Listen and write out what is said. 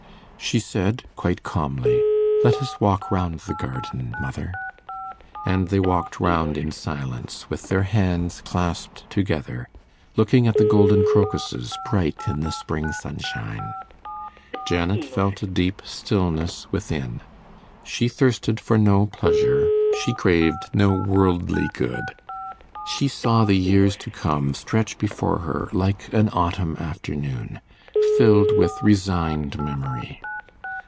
She said quite calmly, 'Let us walk round the garden, mother.' And they walked round in silence, with their hands clasped together, looking at the golden crocuses bright in the spring sunshine. Janet felt a deep stillness within. She thirsted for no pleasure; she craved no worldly good. She saw the years to come stretch before her like an autumn afternoon, filled with resigned memory.